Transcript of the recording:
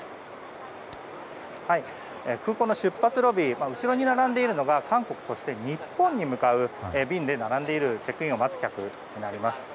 空港の出発ロビー後ろに並んでいるのが韓国、日本に向かう便に並んでいるチェックインを待つ客です。